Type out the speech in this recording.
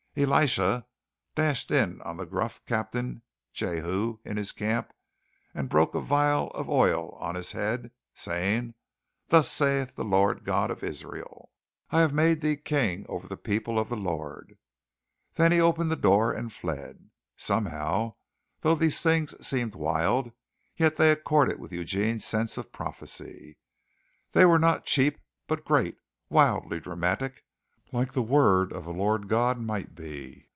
Elisha dashed in on the gruff captain, Jehu, in his camp and broke a vial of oil on his head, saying, "Thus saith the Lord God of Israel, I have made thee king over the people of the Lord"; then he opened the door and fled. Somehow, though these things seemed wild, yet they accorded with Eugene's sense of prophecy. They were not cheap but great wildly dramatic, like the word of a Lord God might be.